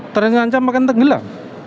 terancam akan tenggelam